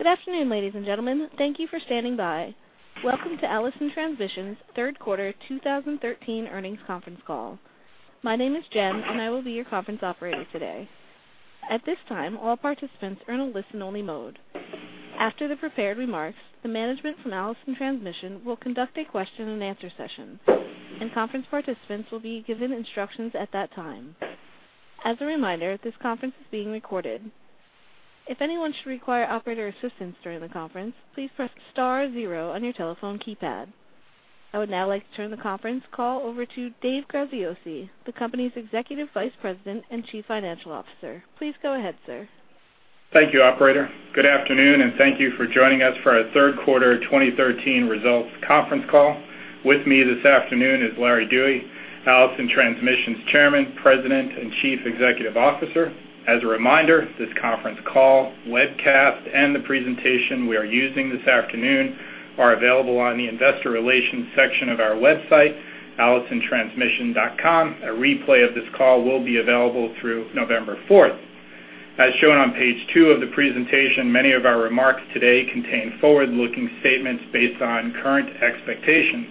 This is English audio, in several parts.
Good afternoon, ladies and gentlemen. Thank you for standing by. Welcome to Allison Transmission's third quarter 2013 earnings conference call. My name is Jen, and I will be your conference operator today. At this time, all participants are in a listen-only mode. After the prepared remarks, the management from Allison Transmission will conduct a question-and-answer session, and conference participants will be given instructions at that time. As a reminder, this conference is being recorded. If anyone should require operator assistance during the conference, please press star zero on your telephone keypad. I would now like to turn the conference call over to Dave Graziosi, the company's Executive Vice President and Chief Financial Officer. Please go ahead, sir. Thank you, operator. Good afternoon, and thank you for joining us for our third quarter 2013 results conference call. With me this afternoon is Larry Dewey, Allison Transmission's Chairman, President, and Chief Executive Officer. As a reminder, this conference call, webcast, and the presentation we are using this afternoon are available on the investor relations section of our website, allisontransmission.com. A replay of this call will be available through November 4. As shown on page two of the presentation, many of our remarks today contain forward-looking statements based on current expectations.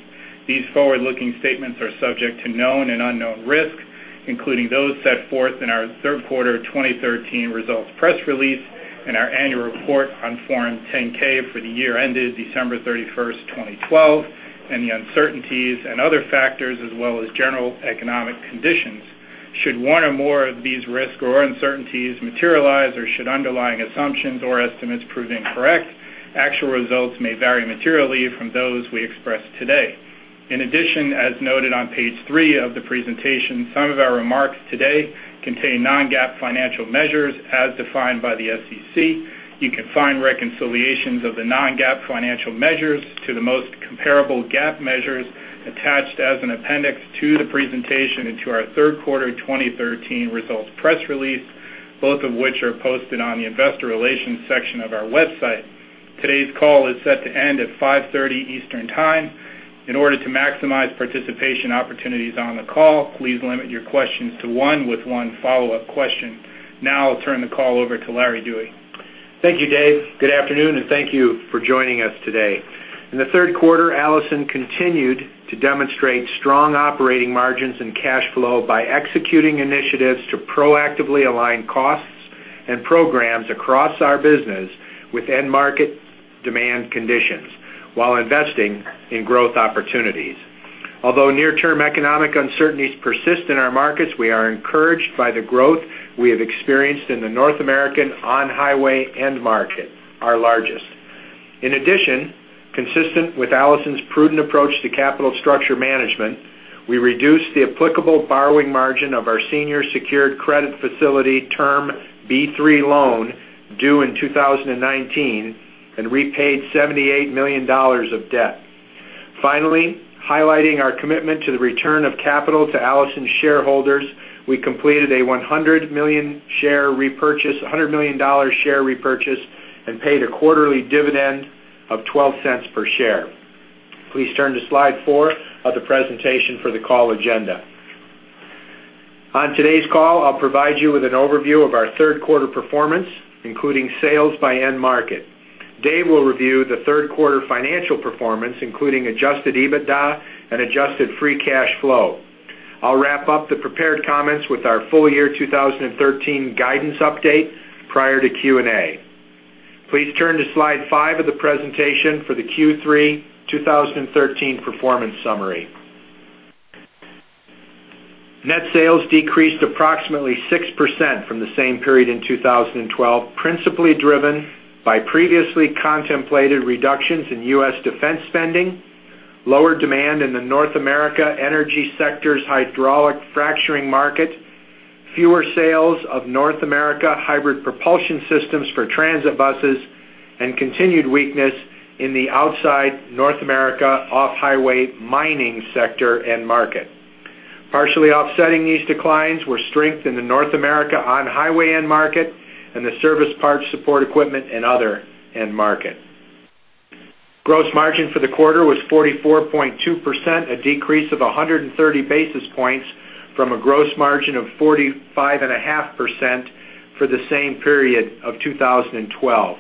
These forward-looking statements are subject to known and unknown risks, including those set forth in our third quarter 2013 results press release and our annual report on Form 10-K for the year ended December 31, 2012, and the uncertainties and other factors as well as general economic conditions. Should one or more of these risks or uncertainties materialize, or should underlying assumptions or estimates prove incorrect, actual results may vary materially from those we express today. In addition, as noted on page 3 of the presentation, some of our remarks today contain non-GAAP financial measures as defined by the SEC. You can find reconciliations of the non-GAAP financial measures to the most comparable GAAP measures attached as an appendix to the presentation and to our third quarter 2013 results press release, both of which are posted on the investor relations section of our website. Today's call is set to end at 5:30 P.M. Eastern Time. In order to maximize participation opportunities on the call, please limit your questions to one with one follow-up question. Now I'll turn the call over to Larry Dewey. Thank you, Dave. Good afternoon, and thank you for joining us today. In the third quarter, Allison continued to demonstrate strong operating margins and cash flow by executing initiatives to proactively align costs and programs across our business with end market demand conditions while investing in growth opportunities. Although near-term economic uncertainties persist in our markets, we are encouraged by the growth we have experienced in the North American on-highway end market, our largest. In addition, consistent with Allison's prudent approach to capital structure management, we reduced the applicable borrowing margin of our senior secured credit facility Term B-3 loan due in 2019 and repaid $78 million of debt. Finally, highlighting our commitment to the return of capital to Allison shareholders, we completed a $100 million share repurchase—a $100 million dollar share repurchase and paid a quarterly dividend of $0.12 per share. Please turn to slide four of the presentation for the call agenda. On today's call, I'll provide you with an overview of our third quarter performance, including sales by end market. Dave will review the third quarter financial performance, including Adjusted EBITDA and Adjusted Free Cash Flow. I'll wrap up the prepared comments with our full year 2013 guidance update prior to Q&A. Please turn to slide five of the presentation for the Q3 2013 performance summary. Net sales decreased approximately 6% from the same period in 2012, principally driven by previously contemplated reductions in U.S. defense spending, lower demand in the North America energy sector's hydraulic fracturing market, fewer sales of North America hybrid propulsion systems for transit buses, and continued weakness in the outside North America off-highway mining sector end market. Partially offsetting these declines were strength in the North America on-highway end market and the service parts support equipment and other end market. Gross margin for the quarter was 44.2%, a decrease of 100 basis points from a gross margin of 45.5% for the same period of 2012.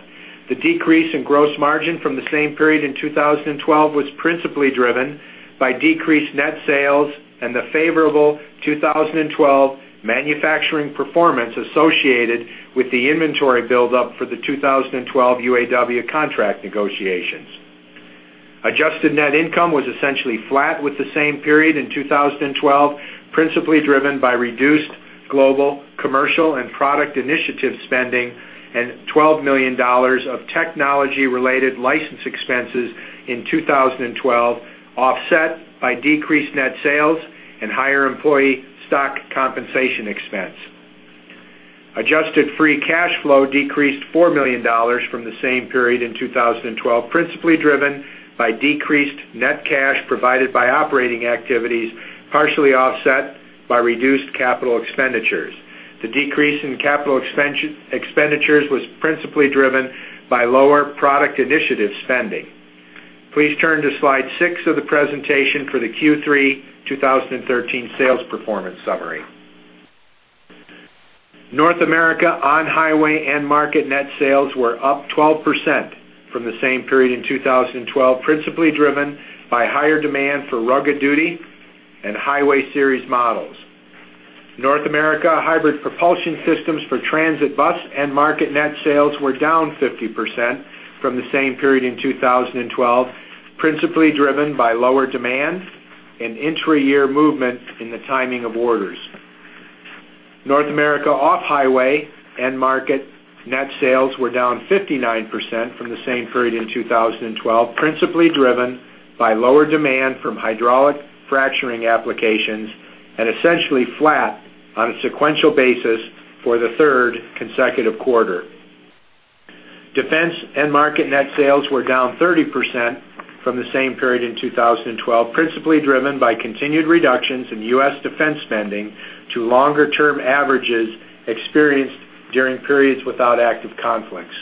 The decrease in gross margin from the same period in 2012 was principally driven by decreased net sales and the favorable 2012 manufacturing performance associated with the inventory buildup for the 2012 UAW contract negotiations. Adjusted net income was essentially flat with the same period in 2012, principally driven by reduced global, commercial, and product initiative spending and $12 million of technology-related license expenses in 2012, offset by decreased net sales and higher employee stock compensation expense. Adjusted free cash flow decreased $4 million from the same period in 2012, principally driven by decreased net cash provided by operating activities, partially offset by reduced capital expenditures. The decrease in capital expenditures was principally driven by lower product initiative spending. Please turn to slide 6 of the presentation for the Q3 2013 sales performance summary. North America on-highway end market net sales were up 12% from the same period in 2012, principally driven by higher demand for Rugged Duty and Highway Series models. North America hybrid propulsion systems for transit bus end market net sales were down 50% from the same period in 2012, principally driven by lower demand and intra-year movement in the timing of orders. North America off-highway end market net sales were down 59% from the same period in 2012, principally driven by lower demand from hydraulic fracturing applications and essentially flat on a sequential basis for the third consecutive quarter. Defense end market net sales were down 30% from the same period in 2012, principally driven by continued reductions in U.S. defense spending to longer-term averages experienced during periods without active conflicts.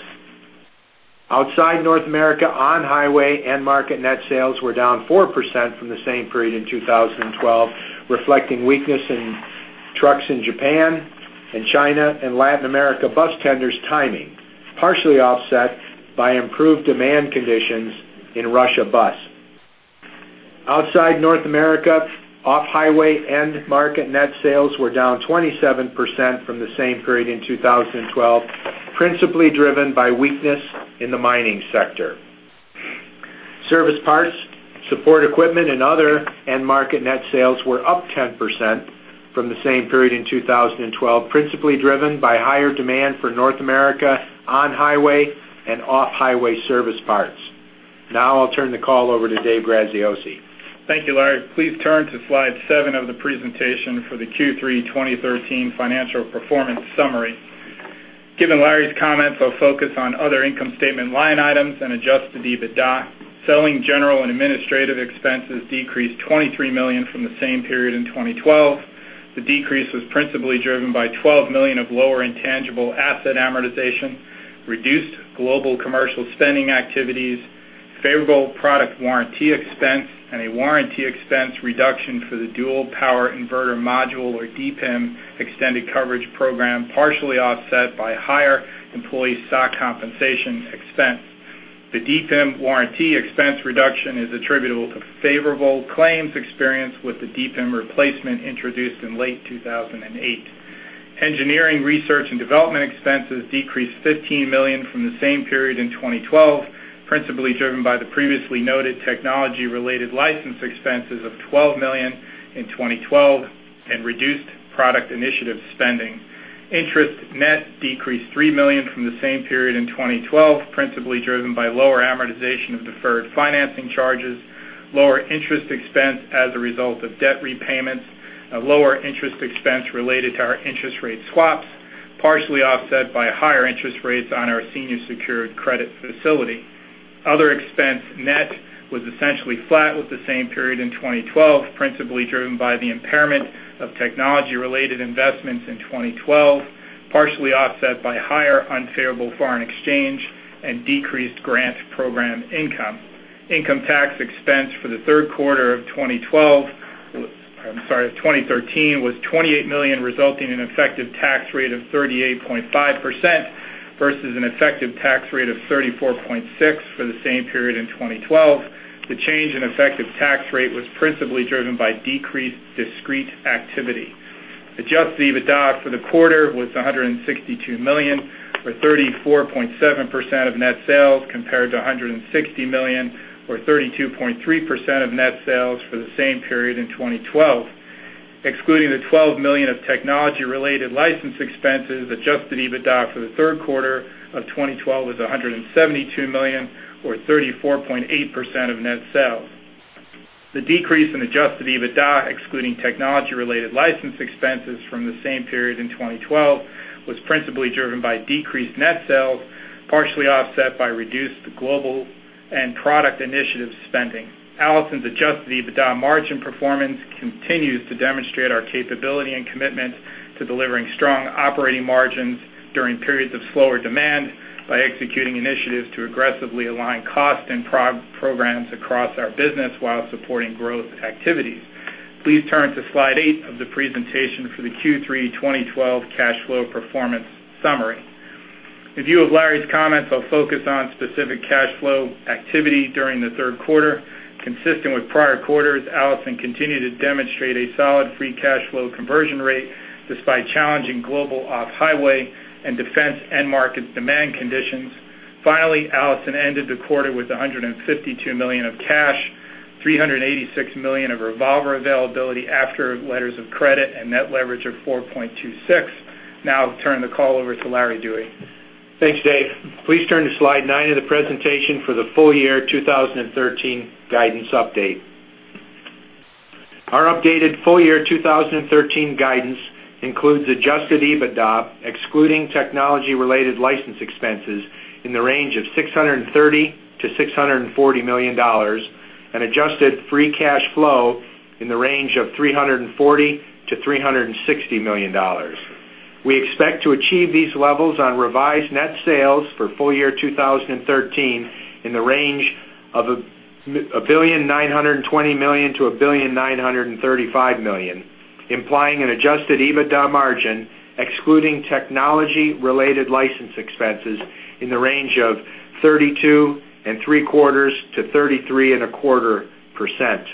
Outside North America, on-highway end market net sales were down 4% from the same period in 2012, reflecting weakness in trucks in Japan and China and Latin America bus tenders timing, partially offset by improved demand conditions in Russia bus. Outside North America, off-highway end market net sales were down 27% from the same period in 2012, principally driven by weakness in the mining sector. Service parts, support equipment, and other end market net sales were up 10% from the same period in 2012, principally driven by higher demand for North America on-highway and off-highway service parts. Now I'll turn the call over to Dave Graziosi. Thank you, Larry. Please turn to slide seven of the presentation for the Q3 2013 financial performance summary. Given Larry's comments, I'll focus on other income statement line items and adjusted EBITDA. Selling, general, and administrative expenses decreased $23 million from the same period in 2012. The decrease was principally driven by $12 million of lower intangible asset amortization, reduced global commercial spending activities, favorable product warranty expense, and a warranty expense reduction for the dual power inverter module, or DPIM, extended coverage program, partially offset by higher employee stock compensation expense. The DPIM warranty expense reduction is attributable to favorable claims experience with the DPIM replacement introduced in late 2008. Engineering, research, and development expenses decreased $15 million from the same period in 2012, principally driven by the previously noted technology-related license expenses of $12 million in 2012 and reduced product initiative spending. Interest, net decreased $3 million from the same period in 2012, principally driven by lower amortization of deferred financing charges, lower interest expense as a result of debt repayments, a lower interest expense related to our interest rate swaps, partially offset by higher interest rates on our senior secured credit facility. Other expense, net was essentially flat with the same period in 2012, principally driven by the impairment of technology-related investments in 2012, partially offset by higher unfavorable foreign exchange and decreased grant program income. Income tax expense for the third quarter of 2012, I'm sorry, of 2013, was $28 million, resulting in an effective tax rate of 38.5% versus an effective tax rate of 34.6% for the same period in 2012. The change in effective tax rate was principally driven by decreased discrete activity. Adjusted EBITDA for the quarter was $162 million, or 34.7% of net sales, compared to $160 million, or 32.3% of net sales for the same period in 2012. Excluding the $12 million of technology-related license expenses, adjusted EBITDA for the third quarter of 2012 was $172 million, or 34.8% of net sales. The decrease in adjusted EBITDA, excluding technology-related license expenses from the same period in 2012, was principally driven by decreased net sales, partially offset by reduced global and product initiative spending. Allison's adjusted EBITDA margin performance continues to demonstrate our capability and commitment to delivering strong operating margins during periods of slower demand by executing initiatives to aggressively align cost and programs across our business while supporting growth activities. Please turn to slide eight of the presentation for the Q3 2012 cash flow performance summary. In view of Larry's comments, I'll focus on specific cash flow activity during the third quarter. Consistent with prior quarters, Allison continued to demonstrate a solid free cash flow conversion rate despite challenging global off-highway and defense end markets demand conditions. Finally, Allison ended the quarter with $152 million of cash, $386 million of revolver availability after letters of credit, and net leverage of 4.26. Now I'll turn the call over to Larry Dewey. Thanks, Dave. Please turn to slide nine of the presentation for the full year 2013 guidance update. Our updated full year 2013 guidance includes Adjusted EBITDA, excluding technology-related license expenses, in the range of $630 million-$640 million and Adjusted Free Cash Flow in the range of $340 million-$360 million. We expect to achieve these levels on revised net sales for full year 2013 in the range of $1.92 billion-$1.935 billion, implying an Adjusted EBITDA margin, excluding technology-related license expenses, in the range of 32.75%-33.25%.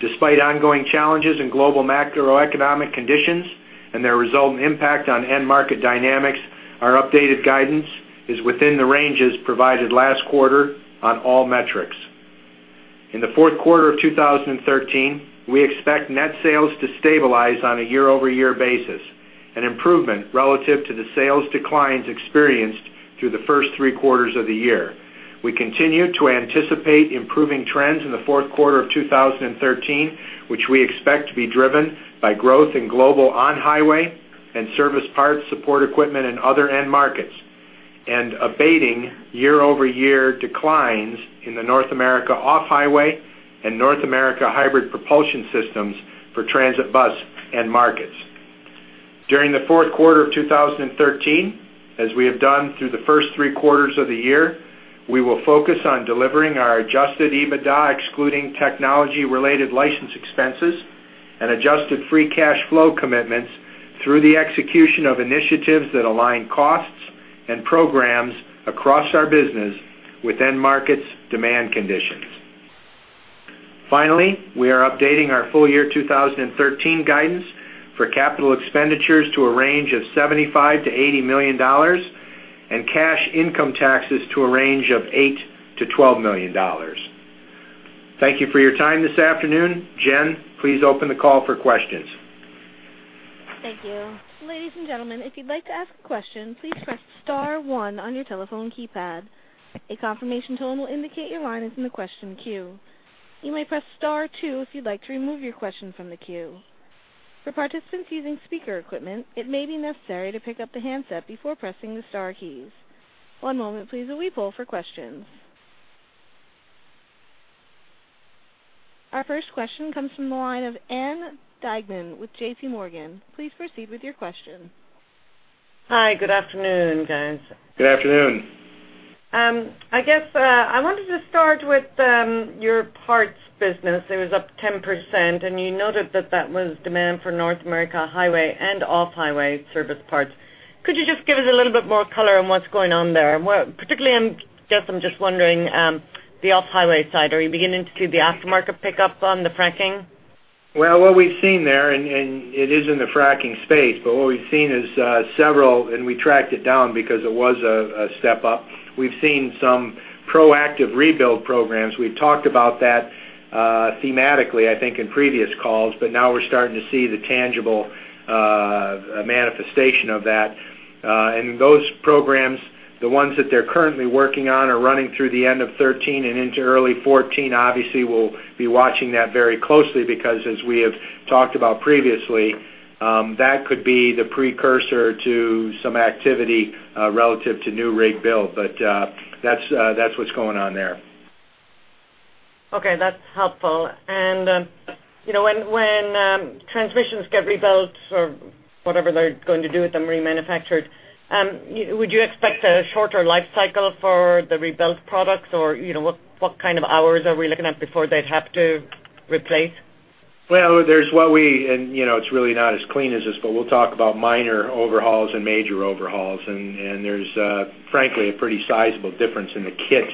Despite ongoing challenges in global macroeconomic conditions and their resulting impact on end market dynamics, our updated guidance is within the ranges provided last quarter on all metrics. In the fourth quarter of 2013, we expect net sales to stabilize on a year-over-year basis, an improvement relative to the sales declines experienced through the first three quarters of the year. We continue to anticipate improving trends in the fourth quarter of 2013, which we expect to be driven by growth in global on-highway and service parts, support equipment and other end markets, and abating year-over-year declines in the North America off-highway and North America hybrid propulsion systems for transit bus end markets. During the fourth quarter of 2013, as we have done through the first three quarters of the year, we will focus on delivering our adjusted EBITDA, excluding technology-related license expenses and adjusted free cash flow commitments through the execution of initiatives that align costs and programs across our business with end markets' demand conditions. Finally, we are updating our full-year 2013 guidance for capital expenditures to a range of $75 million-$80 million and cash income taxes to a range of $8 million-$12 million. Thank you for your time this afternoon. Jen, please open the call for questions. Thank you. Ladies and gentlemen, if you'd like to ask a question, please press star one on your telephone keypad. A confirmation tone will indicate your line is in the question queue. You may press star two if you'd like to remove your question from the queue. For participants using speaker equipment, it may be necessary to pick up the handset before pressing the star keys. One moment please, while we poll for questions. Our first question comes from the line of Ann Duignan with JPMorgan. Please proceed with your question. Hi, good afternoon, guys. Good afternoon. I guess, I wanted to start with your parts business. It was up 10%, and you noted that that was demand for North America highway and off-highway service parts. Could you just give us a little bit more color on what's going on there? And what, particularly, I guess I'm just wondering, the off-highway side, are you beginning to see the aftermarket pickup on the fracking? Well, what we've seen there, and it is in the fracking space, but what we've seen is several, and we tracked it down because it was a step up. We've seen some proactive rebuild programs. We've talked about that thematically, I think, in previous calls, but now we're starting to see the tangible manifestation of that. And those programs, the ones that they're currently working on, are running through the end of 2013 and into early 2014. Obviously, we'll be watching that very closely because as we have talked about previously, that could be the precursor to some activity relative to new rig build. But that's that's what's going on there. Okay, that's helpful. And, you know, when transmissions get rebuilt or whatever they're going to do with them, remanufactured, would you expect a shorter life cycle for the rebuilt products? Or, you know, what kind of hours are we looking at before they'd have to replace? Well, you know, it's really not as clean as this, but we'll talk about minor overhauls and major overhauls, and there's frankly a pretty sizable difference in the kit.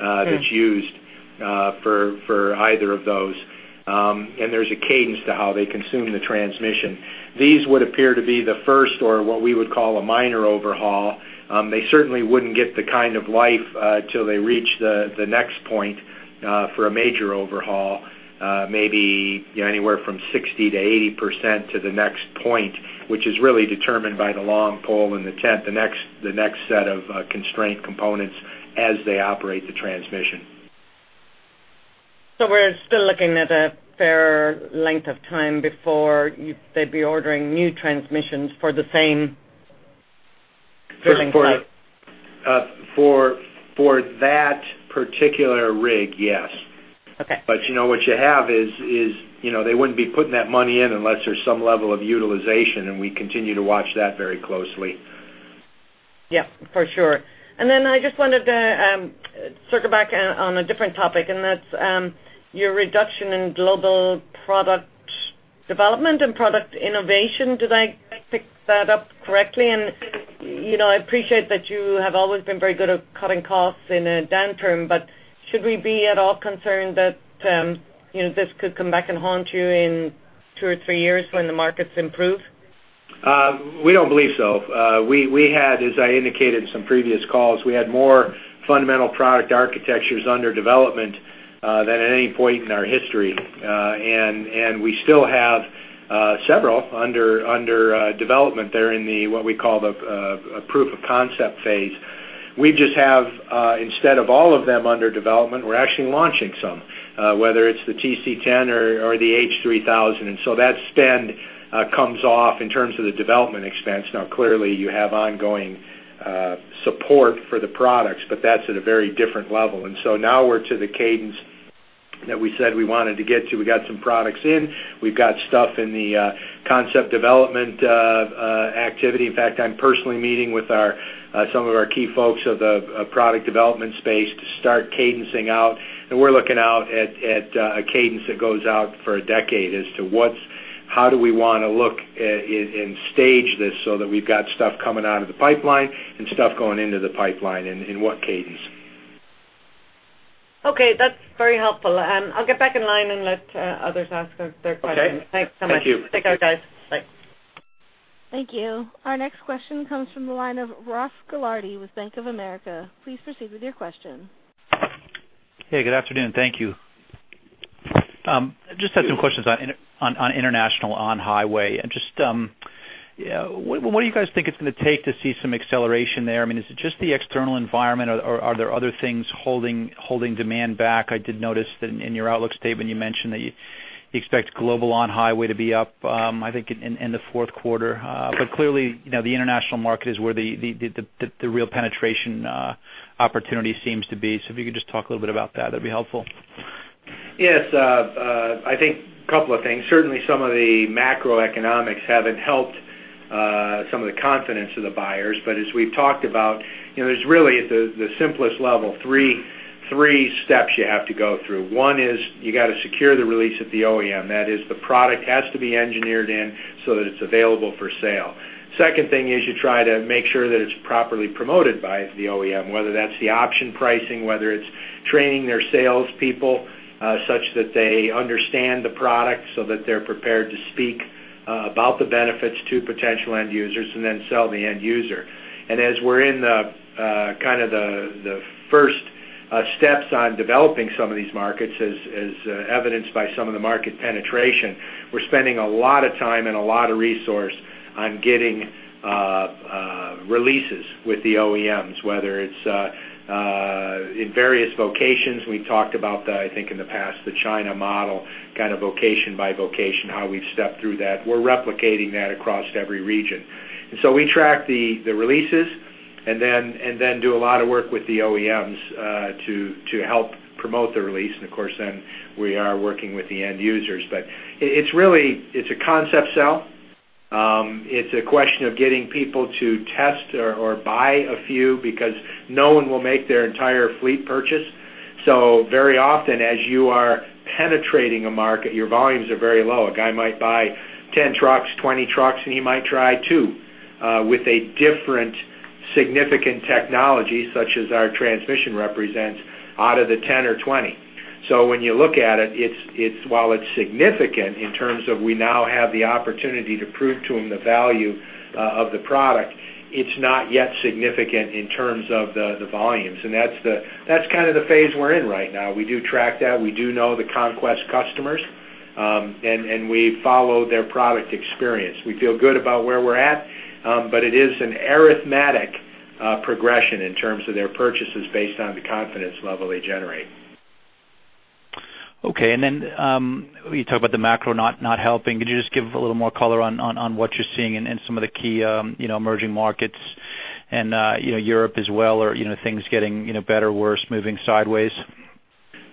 That's used for either of those. And there's a cadence to how they consume the transmission. These would appear to be the first or what we would call a minor overhaul. They certainly wouldn't get the kind of life till they reach the next point for a major overhaul, maybe, you know, anywhere from 60%-80% to the next point, which is really determined by the long pole in the tent, the next set of constraint components as they operate the transmission. So we're still looking at a fair length of time before you they'd be ordering new transmissions for the same fitting place? For that particular rig, yes. Okay. You know, what you have is, you know, they wouldn't be putting that money in unless there's some level of utilization, and we continue to watch that very closely. Yep, for sure. And then I just wanted to circle back on a different topic, and that's your reduction in global product development and product innovation. Did I pick that up correctly? And, you know, I appreciate that you have always been very good at cutting costs in a downturn, but should we be at all concerned that, you know, this could come back and haunt you in two or three years when the markets improve? We don't believe so. We had, as I indicated in some previous calls, we had more fundamental product architectures under development than at any point in our history. And we still have several under development there in what we call a proof of concept phase. We just have instead of all of them under development, we're actually launching some whether it's the TC10 or the H 3000. And so that spend comes off in terms of the development expense. Now, clearly, you have ongoing support for the products, but that's at a very different level. And so now we're to the cadence that we said we wanted to get to. We got some products in. We've got stuff in the concept development activity. In fact, I'm personally meeting with our, some of our key folks of the, product development space to start cadencing out, and we're looking out at, at, a cadence that goes out for a decade as to what's—how do we wanna look, and, and stage this so that we've got stuff coming out of the pipeline and stuff going into the pipeline, and in what cadence. Okay, that's very helpful, and I'll get back in line and let others ask their questions. Okay. Thanks so much. Thank you. Take care, guys. Bye. Thank you. Our next question comes from the line of Ross Gilardi with Bank of America. Please proceed with your question. Hey, good afternoon. Thank you. Just had some questions on international on-highway. And just, yeah, what do you guys think it's gonna take to see some acceleration there? I mean, is it just the external environment, or are there other things holding demand back? I did notice that in your outlook statement, you mentioned that you expect global on-highway to be up, I think, in the fourth quarter. But clearly, you know, the international market is where the real penetration opportunity seems to be. So if you could just talk a little bit about that, that'd be helpful. Yes, I think couple of things. Certainly, some of the macroeconomics haven't helped, some of the confidence of the buyers. But as we've talked about, you know, there's really, at the simplest level, three steps you have to go through. One is you gotta secure the release at the OEM. That is, the product has to be engineered in so that it's available for sale. Second thing is you try to make sure that it's properly promoted by the OEM, whether that's the option pricing, whether it's training their salespeople, such that they understand the product, so that they're prepared to speak, about the benefits to potential end users and then sell the end user. As we're in the kind of first steps on developing some of these markets, as evidenced by some of the market penetration, we're spending a lot of time and a lot of resource on getting releases with the OEMs, whether it's in various locations. We talked about that, I think, in the past, the China model, kind of location by location, how we've stepped through that. We're replicating that across every region. And so we track the releases and then do a lot of work with the OEMs to help promote the release. And of course, then we are working with the end users. But it's really a concept sell. It's a question of getting people to test or, or buy a few because no one will make their entire fleet purchase. So very often, as you are penetrating a market, your volumes are very low. A guy might buy 10 trucks, 20 trucks, and he might try two with a different significant technology, such as our transmission represents out of the 10 or 20. So when you look at it, it's, while it's significant in terms of we now have the opportunity to prove to them the value of the product, it's not yet significant in terms of the volumes, and that's the, that's kind of the phase we're in right now. We do track that. We do know the conquest customers, and, and we follow their product experience. We feel good about where we're at, but it is an arithmetic progression in terms of their purchases based on the confidence level they generate. Okay, and then, you talk about the macro not helping. Could you just give a little more color on what you're seeing in some of the key, you know, emerging markets and, you know, Europe as well? Or, you know, are things getting, you know, better, worse, moving sideways?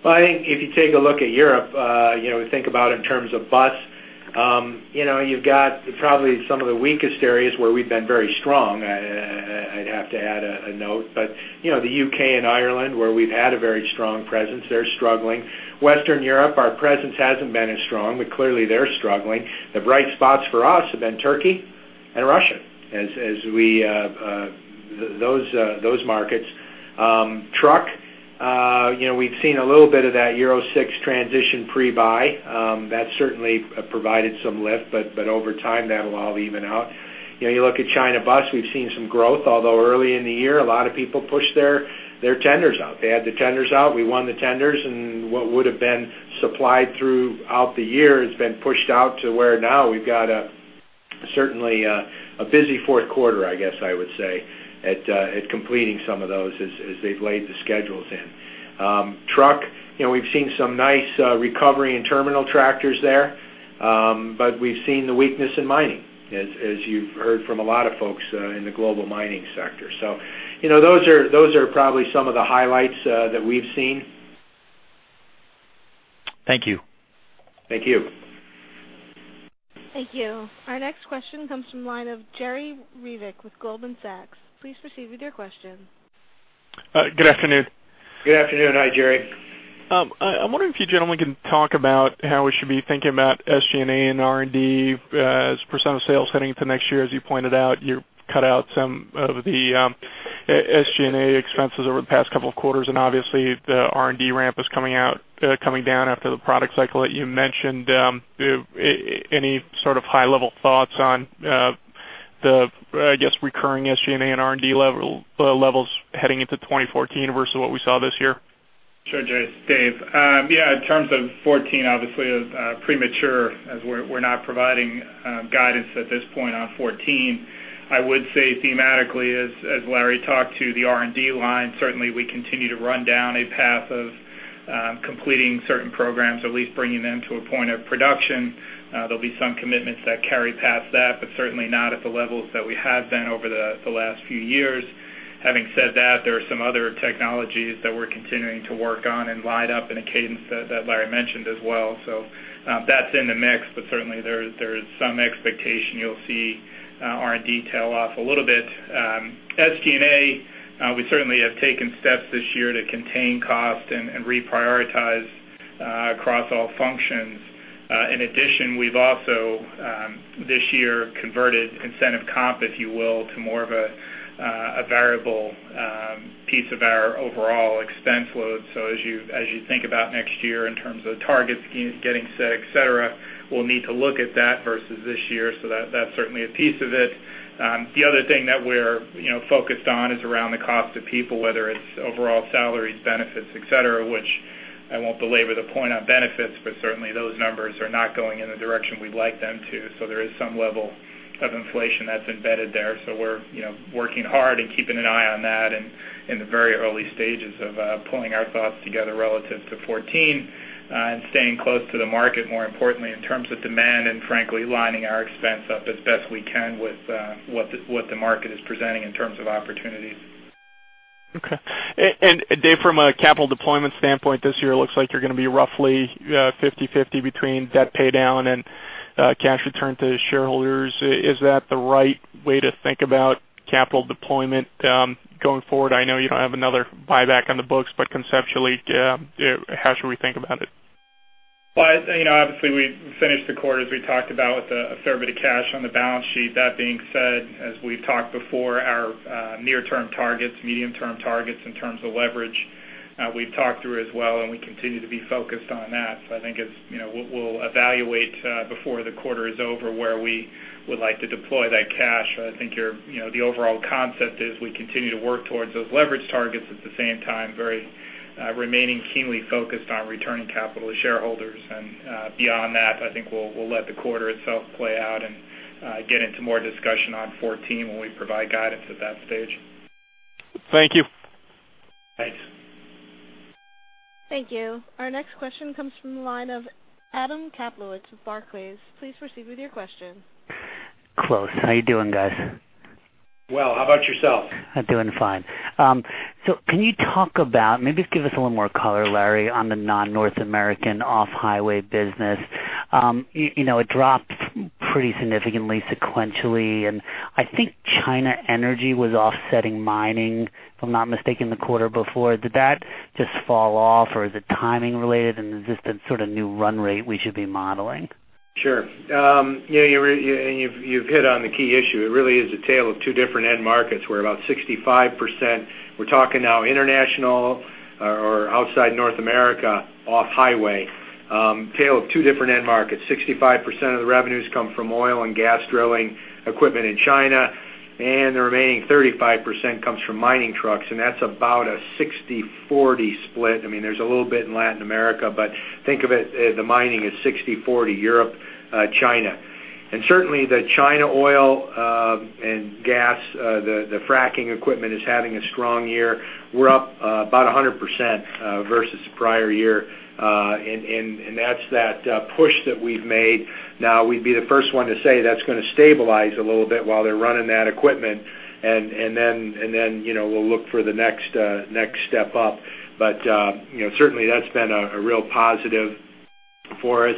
Well, I think if you take a look at Europe, you know, think about it in terms of bus, you know, you've got probably some of the weakest areas where we've been very strong. I'd have to add a note. But, you know, the U.K. and Ireland, where we've had a very strong presence, they're struggling. Western Europe, our presence hasn't been as strong, but clearly they're struggling. The bright spots for us have been Turkey and Russia, those markets. Truck, you know, we've seen a little bit of that Euro 6 transition pre-buy. That certainly provided some lift, but over time, that'll all even out. You know, you look at China bus, we've seen some growth, although early in the year, a lot of people pushed their tenders out. They had the tenders out, we won the tenders, and what would have been supplied throughout the year has been pushed out to where now we've got a certainly a busy fourth quarter, I guess I would say, at completing some of those as they've laid the schedules in. Truck, you know, we've seen some nice recovery in terminal tractors there, but we've seen the weakness in mining, as you've heard from a lot of folks in the global mining sector. So, you know, those are, those are probably some of the highlights that we've seen. Thank you. Thank you. Thank you. Our next question comes from the line of Jerry Revich with Goldman Sachs. Please proceed with your question. Good afternoon. Good afternoon. Hi, Jerry. I'm wondering if you gentlemen can talk about how we should be thinking about SG&A and R&D as a percentage of sales heading into next year. As you pointed out, you cut out some of the, SG&A expenses over the past couple of quarters, and obviously, the R&D ramp is coming out, coming down after the product cycle that you mentioned. Any sort of high-level thoughts on, the, I guess, recurring SG&A and R&D level, levels heading into 2014 versus what we saw this year? Sure, Jerry. Dave. Yeah, in terms of 2014, obviously, premature, as we're not providing guidance at this point on 2014. I would say thematically, as Larry talked to the R&D line, certainly we continue to run down a path of completing certain programs, or at least bringing them to a point of production. There'll be some commitments that carry past that, but certainly not at the levels that we have been over the last few years. Having said that, there are some other technologies that we're continuing to work on and line up in a cadence that Larry mentioned as well. So, that's in the mix, but certainly there is some expectation you'll see R&D tail off a little bit. SG&A, we certainly have taken steps this year to contain costs and reprioritize across all functions. In addition, we've also this year converted incentive comp, if you will, to more of a variable piece of our overall expense load. So as you think about next year in terms of targets getting set, et cetera, we'll need to look at that versus this year. So that, that's certainly a piece of it. The other thing that we're, you know, focused on is around the cost of people, whether it's overall salaries, benefits, et cetera, which I won't belabor the point on benefits, but certainly, those numbers are not going in the direction we'd like them to. So there is some level of inflation that's embedded there. So we're, you know, working hard and keeping an eye on that and in the very early stages of pulling our thoughts together relative to 2014 and staying close to the market, more importantly, in terms of demand, and frankly, lining our expense up as best we can with what the, what the market is presenting in terms of opportunities. Okay. And Dave, from a capital deployment standpoint, this year looks like you're going to be roughly 50/50 between debt paydown and cash return to shareholders. Is that the right way to think about capital deployment going forward? I know you don't have another buyback on the books, but conceptually, how should we think about it? Well, you know, obviously, we finished the quarter, as we talked about, with a fair bit of cash on the balance sheet. That being said, as we've talked before, our near-term targets, medium-term targets in terms of leverage, we've talked through as well, and we continue to be focused on that. So I think it's, you know, we'll, we'll evaluate before the quarter is over, where we would like to deploy that cash. But I think you're-- you know, the overall concept is we continue to work towards those leverage targets, at the same time, very remaining keenly focused on returning capital to shareholders. And beyond that, I think we'll, we'll let the quarter itself play out and get into more discussion on 2014 when we provide guidance at that stage. Thank you. Thanks. Thank you. Our next question comes from the line of Andrew Kaplowitz with Barclays. Please proceed with your question. Close. How are you doing, guys? Well, how about yourself? I'm doing fine. So can you talk about, maybe just give us a little more color, Larry, on the non-North American off-highway business. You know, it dropped pretty significantly sequentially, and I think China energy was offsetting mining, if I'm not mistaken, the quarter before. Did that just fall off, or is it timing related, and is this the sort of new run rate we should be modeling? Sure. Yeah, you've hit on the key issue. It really is a tale of two different end markets, where about 65%, we're talking now international or outside North America, off-highway, tale of two different end markets. 65% of the revenues come from oil and gas drilling equipment in China, and the remaining 35% comes from mining trucks, and that's about a 60/40 split. I mean, there's a little bit in Latin America, but think of it as the mining is 60/40, Europe, China. And certainly, the China oil and gas, the fracking equipment is having a strong year. We're up about 100% versus the prior year, and that's that push that we've made. Now, we'd be the first one to say that's going to stabilize a little bit while they're running that equipment, and then, you know, we'll look for the next next step up. But, you know, certainly that's been a real positive for us.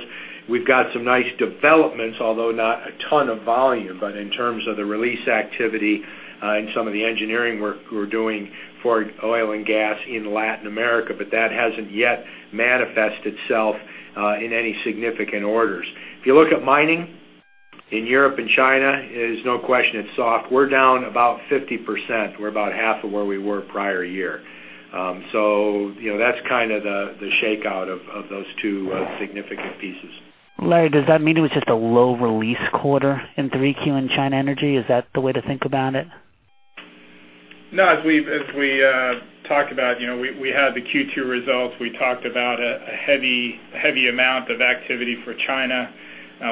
We've got some nice developments, although not a ton of volume, but in terms of the release activity, and some of the engineering work we're doing for oil and gas in Latin America, but that hasn't yet manifested itself, in any significant orders. If you look at mining in Europe and China, there's no question it's soft. We're down about 50%. We're about half of where we were prior year. So you know, that's kind of the shakeout of those two significant pieces. Larry, does that mean it was just a low-release quarter in 3Q in China Energy? Is that the way to think about it? No, as we've talked about, you know, we had the Q2 results. We talked about a heavy amount of activity for China.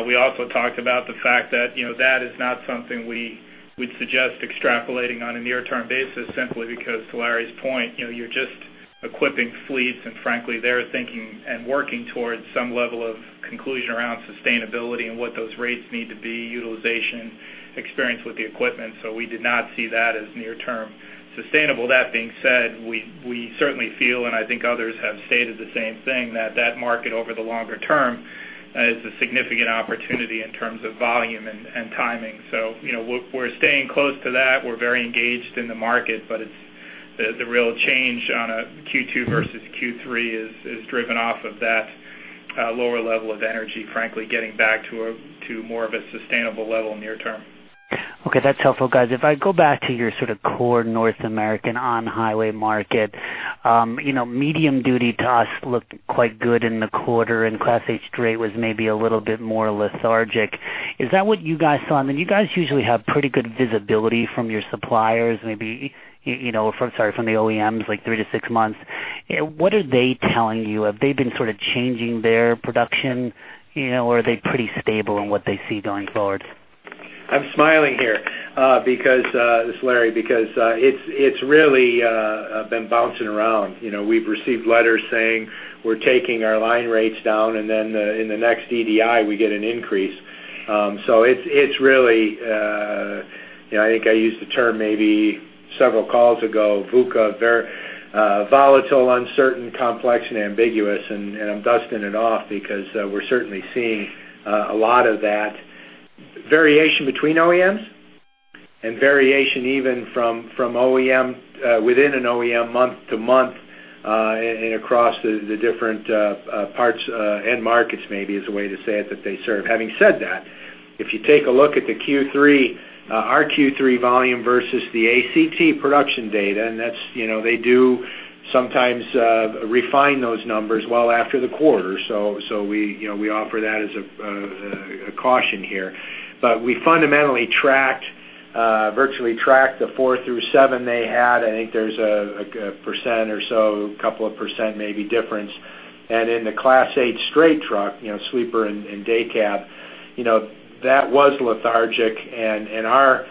We also talked about the fact that, you know, that is not something we would suggest extrapolating on a near-term basis, simply because, to Larry's point, you know, you're just equipping fleets, and frankly, they're thinking and working towards some level of conclusion around sustainability and what those rates need to be, utilization, experience with the equipment. So we did not see that as near-term sustainable. That being said, we certainly feel, and I think others have stated the same thing, that that market, over the longer term, is a significant opportunity in terms of volume and timing. So you know, we're staying close to that. We're very engaged in the market, but the real change on a Q2 versus Q3 is driven off of that lower level of energy, frankly, getting back to a more sustainable level near term. Okay, that's helpful, guys. If I go back to your sort of core North American on-highway market, you know, medium-duty trucks looked quite good in the quarter, and Class 8 was maybe a little bit more lethargic. Is that what you guys saw? I mean, you guys usually have pretty good visibility from your suppliers, maybe, you know, from, sorry, from the OEMs, like three to six months. What are they telling you? Have they been sort of changing their production, you know, or are they pretty stable in what they see going forward? I'm smiling here, because, this is Larry, because, it's, it's really been bouncing around. You know, we've received letters saying, "We're taking our line rates down," and then, in the next EDI, we get an increase. So it's, it's really, you know, I think I used the term maybe several calls ago, VUCA, volatile, uncertain, complex, and ambiguous, and, I'm dusting it off because, we're certainly seeing, a lot of that variation between OEMs and variation even from OEM, within an OEM month to month, and, across the different, parts, end markets, maybe is a way to say it, that they serve. Having said that, if you take a look at the Q3, our Q3 volume versus the ACT production data, and that's, you know, they do sometimes refine those numbers well after the quarter. So, we, you know, we offer that as a caution here. But we fundamentally tracked, virtually tracked the four through seven they had. I think there's a percent or so, couple of percent maybe difference. And in the Class 8 straight truck, you know, sleeper and day cab, you know, that was lethargic. Our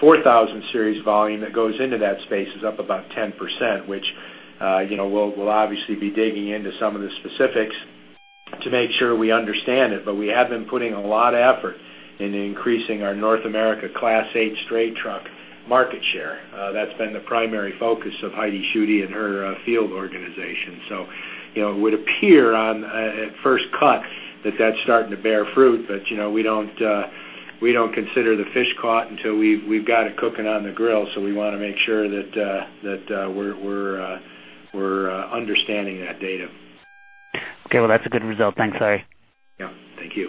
4000 Series volume that goes into that space is up about 10%, which, you know, we'll obviously be digging into some of the specifics to make sure we understand it. But we have been putting a lot of effort in increasing our North America Class 8 straight truck market share. That's been the primary focus of Heidi Schutte and her field organization. So, you know, it would appear on at first cut that that's starting to bear fruit. But, you know, we don't consider the fish caught until we've got it cooking on the grill, so we want to make sure that we're understanding that data. Okay, well, that's a good result. Thanks, Larry. Yeah. Thank you.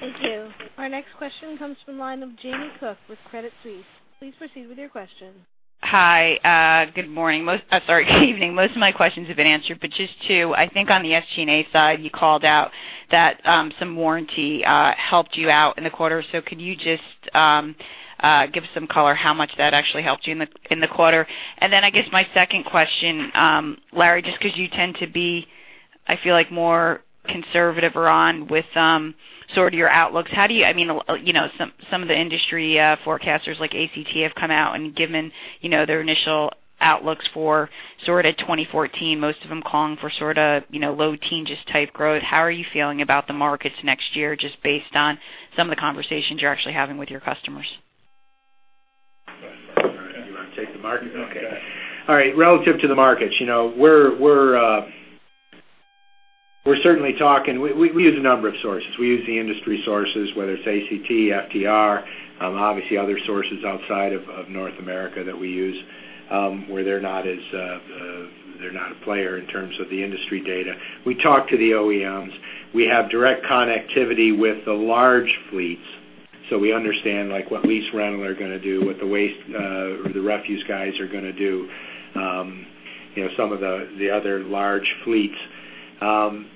Thank you. Our next question comes from the line of Jamie Cook with Credit Suisse. Please proceed with your question. Hi, good morning. Most, sorry, good evening. Most of my questions have been answered, but just two. I think on the SG&A side, you called out that some warranty helped you out in the quarter. So could you just give some color how much that actually helped you in the quarter? And then I guess my second question, Larry, just 'cause you tend to be, I feel like, more conservative or on with sort of your outlooks. How do you, I mean, you know, some of the industry forecasters, like ACT, have come out and given their initial outlooks for 2014, most of them calling for low teens type growth. How are you feeling about the markets next year, just based on some of the conversations you're actually having with your customers? You want to take the market? Okay. All right. Relative to the markets, you know, we're certainly talking. We use a number of sources. We use the industry sources, whether it's ACT, FTR, obviously other sources outside of North America that we use, where they're not as, they're not a player in terms of the industry data. We talk to the OEMs. We have direct connectivity with the large fleets, so we understand, like, what lease rental are going to do, what the waste or the refuse guys are going to do, you know, some of the other large fleets.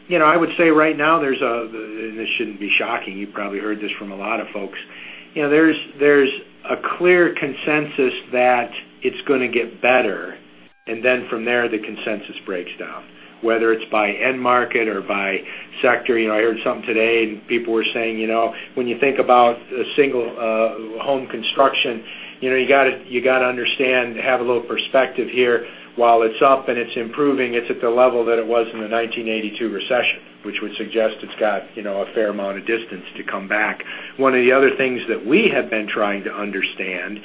You know, I would say right now, there's a, this shouldn't be shocking. You've probably heard this from a lot of folks. You know, there's a clear consensus that it's going to get better, and then from there, the consensus breaks down, whether it's by end market or by sector. You know, I heard something today, and people were saying, you know, when you think about a single home construction, you know, you gotta understand, have a little perspective here. While it's up and it's improving, it's at the level that it was in the 1982 recession, which would suggest it's got, you know, a fair amount of distance to come back. One of the other things that we have been trying to understand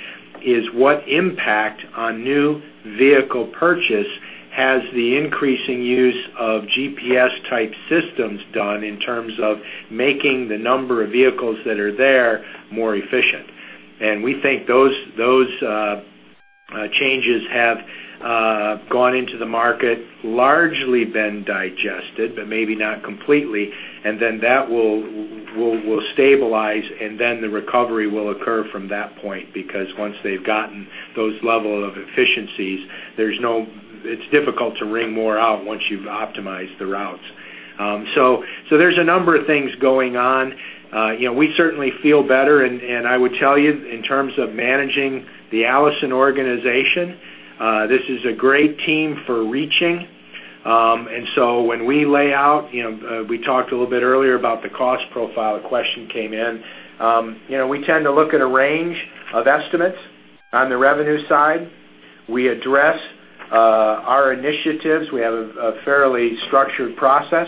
is what impact on new vehicle purchase has the increasing use of GPS-type systems done in terms of making the number of vehicles that are there more efficient. We think those changes have gone into the market, largely been digested, but maybe not completely, and then that will stabilize, and then the recovery will occur from that point, because once they've gotten those level of efficiencies, there's no. It's difficult to wring more out once you've optimized the routes. So there's a number of things going on. You know, we certainly feel better, and I would tell you, in terms of managing the Allison organization, this is a great team for reaching. And so when we lay out, you know, we talked a little bit earlier about the cost profile question came in. You know, we tend to look at a range of estimates on the revenue side. We address our initiatives. We have a fairly structured process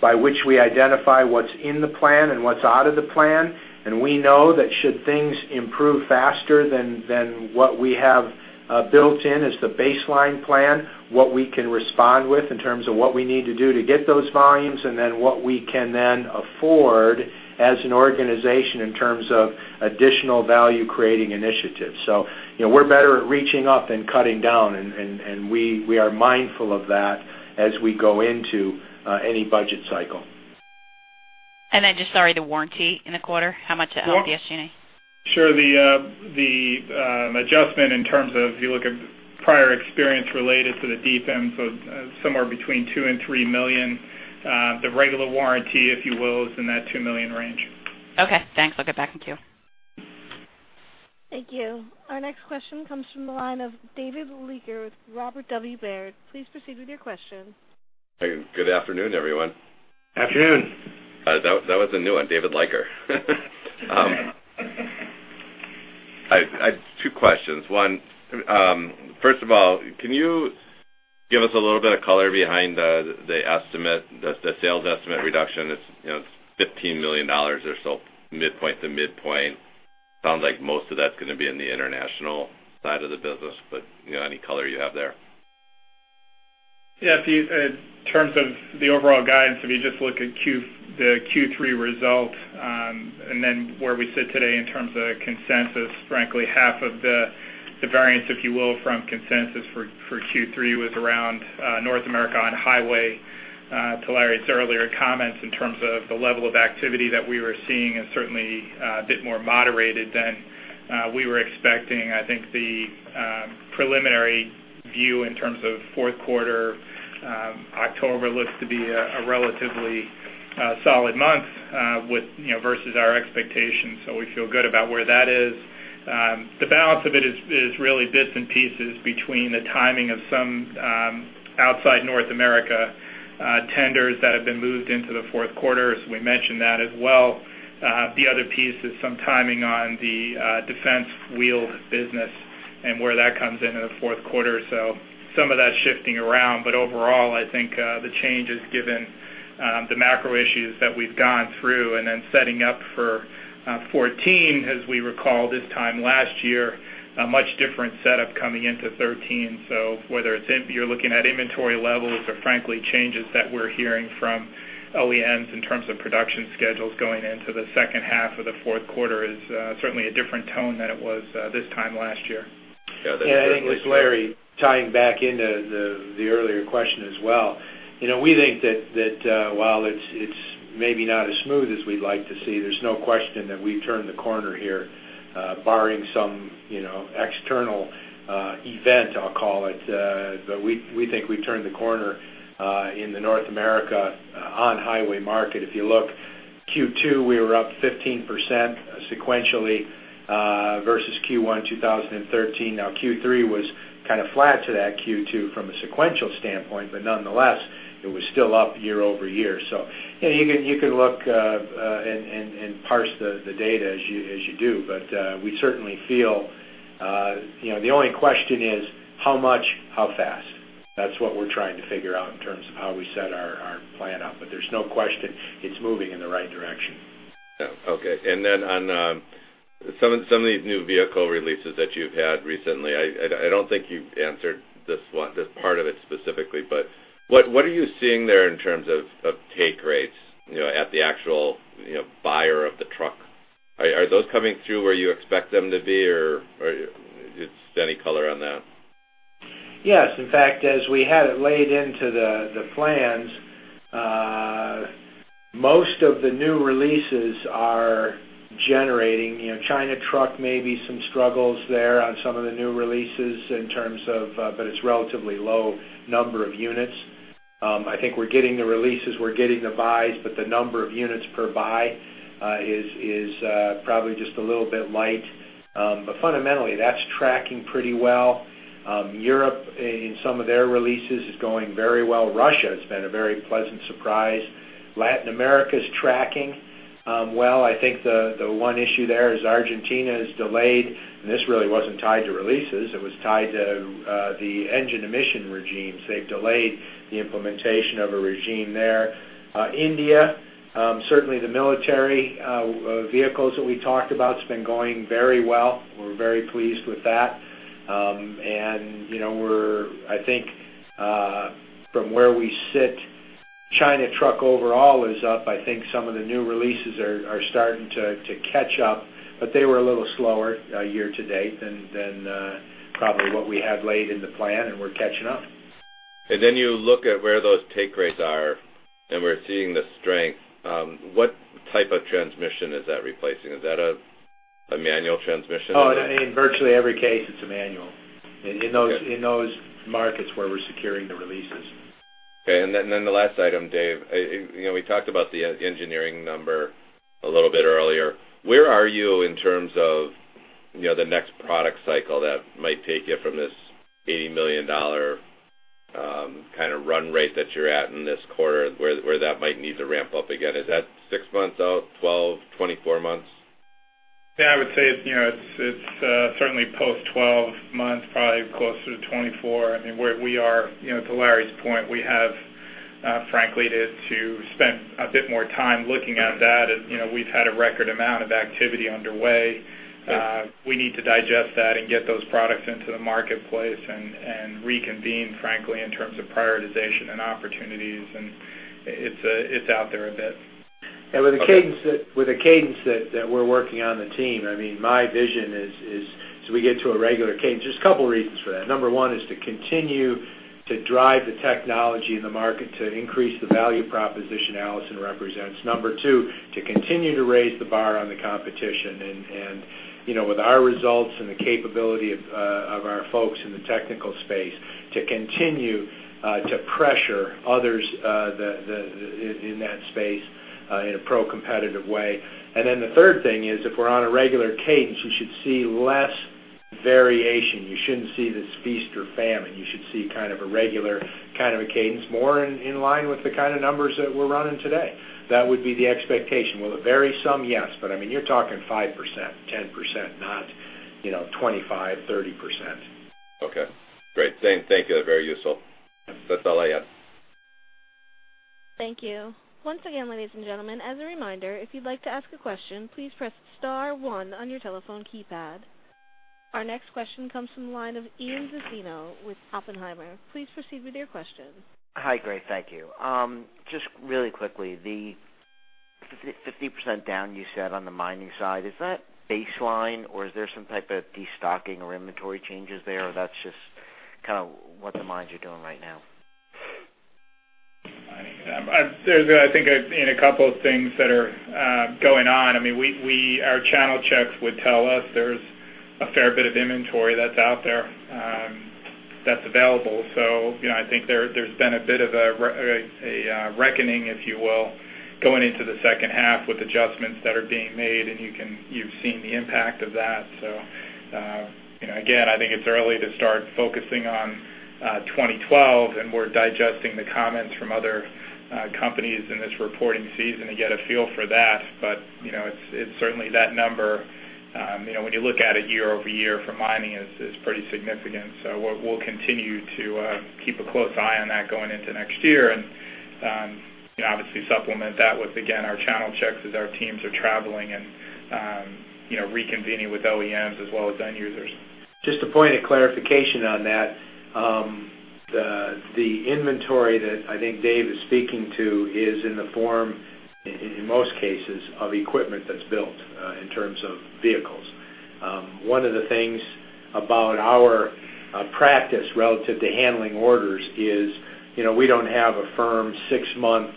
by which we identify what's in the plan and what's out of the plan. And we know that should things improve faster than what we have built in as the baseline plan, what we can respond with in terms of what we need to do to get those volumes, and then what we can then afford as an organization in terms of additional value-creating initiatives. So, you know, we're better at reaching up and cutting down, and we are mindful of that as we go into any budget cycle. And then just, sorry, the warranty in the quarter, how much it helped the SG&A? Sure. The adjustment in terms of if you look at prior experience related to the DPIM, so somewhere between $2 million-$3 million, the regular warranty, if you will, is in that $2 million range. Okay, thanks. I'll get back in queue. Thank you. Our next question comes from the line of David Leiker with Robert W. Baird. Please proceed with your question. Good afternoon, everyone. Afternoon. That was a new one, David Leiker. Two questions. One, first of all, can you give us a little bit of color behind the sales estimate reduction? It's, you know, it's $15 million or so, midpoint to midpoint. Sounds like most of that's gonna be in the international side of the business, but, you know, any color you have there? Yeah, Dave, in terms of the overall guidance, if you just look at the Q3 result, and then where we sit today in terms of consensus, frankly, half of the variance, if you will, from consensus for Q3 was around North America on-highway, to Larry's earlier comments, in terms of the level of activity that we were seeing is certainly a bit more moderated than we were expecting. I think the preliminary view in terms of fourth quarter, October, looks to be a relatively solid month, with, you know, versus our expectations. So we feel good about where that is. The balance of it is really bits and pieces between the timing of some outside North America tenders that have been moved into the fourth quarter, so we mentioned that as well. The other piece is some timing on the defense wheeled business and where that comes into the fourth quarter. So some of that's shifting around, but overall, I think the change is given the macro issues that we've gone through, and then setting up for 2014, as we recall this time last year, a much different setup coming into 2013. So whether it's if you're looking at inventory levels or frankly, changes that we're hearing from OEMs in terms of production schedules going into the second half of the fourth quarter is certainly a different tone than it was this time last year. Yeah, I think it's Larry, tying back into the earlier question as well. You know, we think that while it's maybe not as smooth as we'd like to see, there's no question that we've turned the corner here, barring some, you know, external event, I'll call it. But we think we've turned the corner in the North America on-highway market. If you look Q2, we were up 15% sequentially versus Q1, 2013. Now, Q3 was kind of flat to that Q2 from a sequential standpoint, but nonetheless, it was still up year over year. So, you know, you can look and parse the data as you do. But we certainly feel, you know, the only question is: How much, how fast? That's what we're trying to figure out in terms of how we set our plan up. But there's no question, it's moving in the right direction. Yeah. Okay. And then on some of these new vehicle releases that you've had recently, I don't think you've answered this one—this part of it specifically, but what are you seeing there in terms of take rates, you know, at the actual, you know, buyer of the truck? Are those coming through where you expect them to be, or just any color on that? Yes. In fact, as we had it laid into the plans, most of the new releases are generating. You know, China truck may be some struggles there on some of the new releases in terms of. But it's relatively low number of units. I think we're getting the releases, we're getting the buys, but the number of units per buy is probably just a little bit light. But fundamentally, that's tracking pretty well. Europe, in some of their releases, is going very well. Russia has been a very pleasant surprise. Latin America's tracking well. I think the one issue there is Argentina is delayed, and this really wasn't tied to releases, it was tied to the engine emission regimes. They've delayed the implementation of a regime there. India, certainly the military vehicles that we talked about has been going very well. We're very pleased with that. And, you know, we're—I think, from where we sit, China truck overall is up. I think some of the new releases are starting to catch up, but they were a little slower year to date than probably what we had laid in the plan, and we're catching up. Then you look at where those take rates are, and we're seeing the strength. What type of transmission is that replacing? Is that a manual transmission? Oh, in virtually every case, it's a manual. Okay. In those markets where we're securing the releases. Okay. And then the last item, Dave. You know, we talked about the engineering number a little bit earlier. Where are you in terms of, you know, the next product cycle that might take you from this $80 million kind of run rate that you're at in this quarter, where that might need to ramp up again? Is that six months out, 12, 24 months? Yeah, I would say, you know, it's certainly post-12 months, probably closer to 24. I mean, where we are, you know, to Larry's point, we have frankly to spend a bit more time looking at that. As, you know, we've had a record amount of activity underway. We need to digest that and get those products into the marketplace and reconvene, frankly, in terms of prioritization and opportunities, and it's out there a bit. With the cadence that we're working on the team, I mean, my vision is so we get to a regular cadence. Just a couple reasons for that. Number one is to continue to drive the technology in the market to increase the value proposition Allison represents. Number two, to continue to raise the bar on the competition. And you know, with our results and the capability of our folks in the technical space, to continue to pressure others in that space in a pro-competitive way. And then the third thing is, if we're on a regular cadence, you should see less variation. You shouldn't see this feast or famine. You should see kind of a regular, kind of a cadence, more in line with the kind of numbers that we're running today. That would be the expectation. Will it vary some? Yes, but I mean, you're talking 5%, 10%, not, you know, 25, 30%. Okay, great. Thank, thank you. Very useful. That's all I had. Thank you. Once again, ladies and gentlemen, as a reminder, if you'd like to ask a question, please press star one on your telephone keypad. Our next question comes from the line of Ian Zaffino with Oppenheimer. Please proceed with your question. Hi, great, thank you. Just really quickly, the 50% down you said on the mining side, is that baseline, or is there some type of destocking or inventory changes there? Or that's just kind of what the mines are doing right now. I think there's a couple of things that are going on. I mean, our channel checks would tell us there's a fair bit of inventory that's out there, that's available. So you know, I think there's been a bit of a reckoning, if you will, going into the second half with adjustments that are being made, and you can, you've seen the impact of that. So again, I think it's early to start focusing on 2012, and we're digesting the comments from other companies in this reporting season to get a feel for that. But you know, it's certainly that number, you know, when you look at it year-over-year for mining is pretty significant. So we'll continue to keep a close eye on that going into next year. And, obviously supplement that with, again, our channel checks as our teams are traveling and, you know, reconvening with OEMs as well as end users. Just a point of clarification on that. The inventory that I think Dave is speaking to is in the form, in most cases, of equipment that's built in terms of vehicles. One of the things about our practice relative to handling orders is, you know, we don't have a firm six-month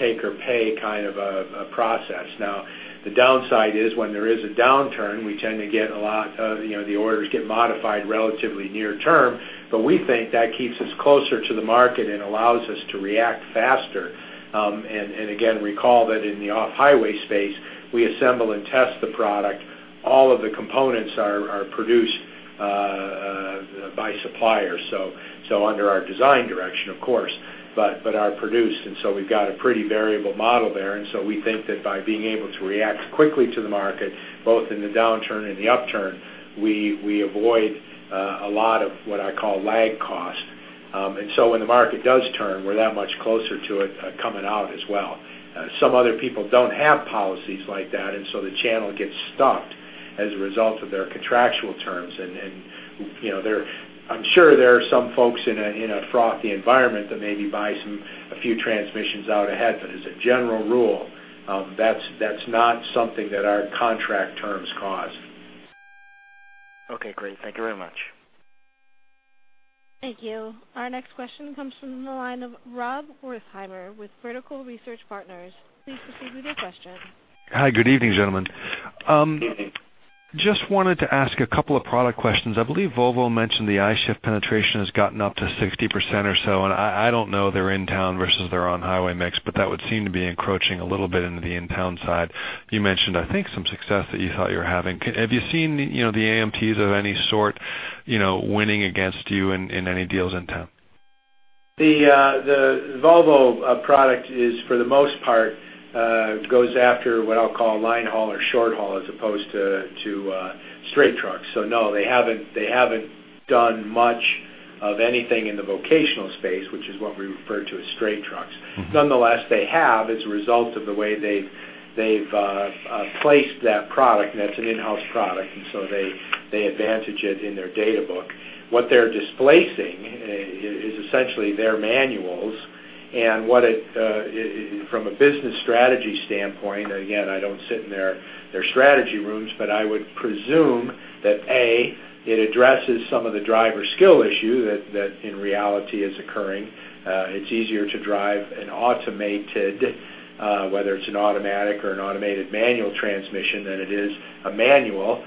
take or pay kind of a process. Now, the downside is when there is a downturn, we tend to get a lot, you know, the orders get modified relatively near term, but we think that keeps us closer to the market and allows us to react faster. And again, recall that in the off-highway space, we assemble and test the product. All of the components are produced by suppliers, so under our design direction, of course, but are produced, and so we've got a pretty variable model there. And so we think that by being able to react quickly to the market, both in the downturn and the upturn, we avoid a lot of what I call lag costs. And so when the market does turn, we're that much closer to it coming out as well. Some other people don't have policies like that, and so the channel gets stuck as a result of their contractual terms. And you know, there, I'm sure there are some folks in a frothy environment that maybe buy a few transmissions out ahead. But as a general rule, that's not something that our contract terms cause. Okay, great. Thank you very much. Thank you. Our next question comes from the line of Rob Wertheimer with Vertical Research Partners. Please proceed with your question. Hi, good evening, gentlemen. Just wanted to ask a couple of product questions. I believe Volvo mentioned the I-Shift penetration has gotten up to 60% or so, and I don't know their in-town versus their on-highway mix, but that would seem to be encroaching a little bit into the in-town side. You mentioned, I think, some success that you thought you were having. Have you seen, you know, the AMTs of any sort, you know, winning against you in, in any deals in town? The Volvo product is, for the most part, goes after what I'll call line haul or short haul, as opposed to straight trucks. So no, they haven't done much of anything in the vocational space, which is what we refer to as straight trucks. Nonetheless, they have, as a result of the way they've placed that product, and that's an in-house product, and so they advantage it in their data book. What they're displacing is essentially their manuals, and what it from a business strategy standpoint, again, I don't sit in their strategy rooms, but I would presume that, A, it addresses some of the driver skill issue that in reality is occurring. It's easier to drive an automated whether it's an automatic or an automated manual transmission, than it is a manual.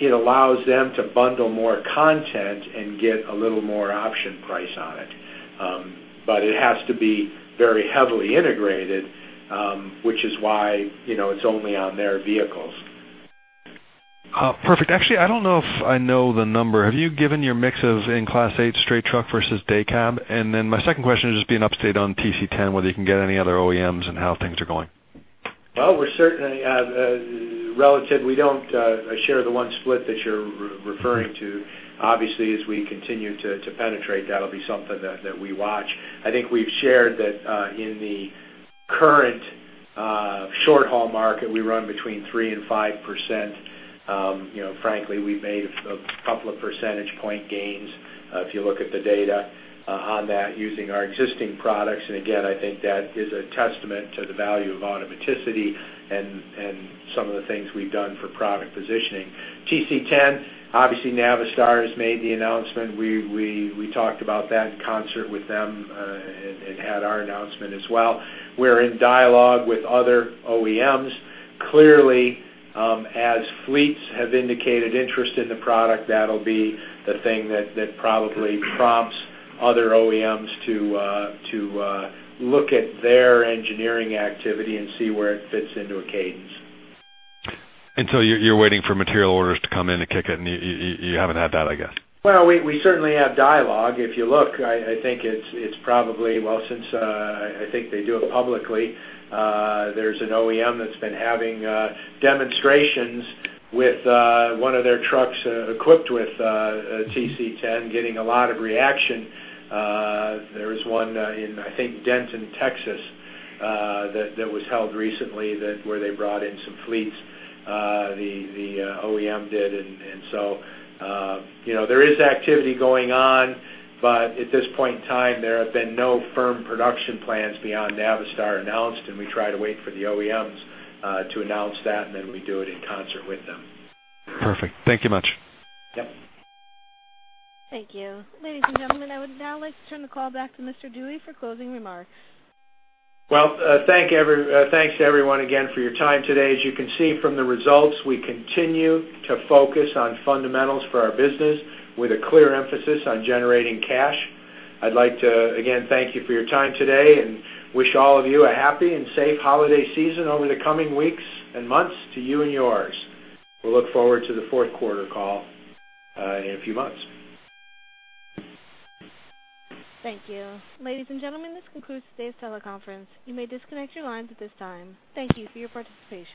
It allows them to bundle more content and get a little more option price on it. But it has to be very heavily integrated, which is why, you know, it's only on their vehicles. Perfect. Actually, I don't know if I know the number. Have you given your mixes in Class 8 straight truck versus day cab? And then my second question is just being update on TC10, whether you can get any other OEMs and how things are going. Well, we're certainly relatively, we don't share the one split that you're referring to. Obviously, as we continue to penetrate, that'll be something that we watch. I think we've shared that in the current short-haul market, we run between 3% and 5%. You know, frankly, we've made a couple of percentage point gains, if you look at the data on that, using our existing products. And again, I think that is a testament to the value of automaticity and some of the things we've done for product positioning. TC10, obviously, Navistar has made the announcement. We talked about that in concert with them and had our announcement as well. We're in dialogue with other OEMs. Clearly, as fleets have indicated interest in the product, that'll be the thing that probably prompts other OEMs to look at their engineering activity and see where it fits into a cadence. So you're waiting for material orders to come in and kick it, and you haven't had that, I guess? Well, we certainly have dialogue. If you look, I think it's probably, well, since I think they do it publicly, there's an OEM that's been having demonstrations with one of their trucks equipped with a TC10, getting a lot of reaction. There's one in, I think, Denton, Texas, that was held recently, where they brought in some fleets, the OEM did. And so, you know, there is activity going on, but at this point in time, there have been no firm production plans beyond Navistar announced, and we try to wait for the OEMs to announce that, and then we do it in concert with them. Perfect. Thank you much. Yep. Thank you. Ladies and gentlemen, I would now like to turn the call back to Mr. Dewey for closing remarks. Well, thanks to everyone again for your time today. As you can see from the results, we continue to focus on fundamentals for our business with a clear emphasis on generating cash. I'd like to again thank you for your time today, and wish all of you a happy and safe holiday season over the coming weeks and months to you and yours. We'll look forward to the fourth quarter call in a few months. Thank you. Ladies and gentlemen, this concludes today's teleconference. You may disconnect your lines at this time. Thank you for your participation.